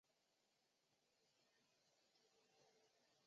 韦森多尔夫是德国下萨克森州的一个市镇。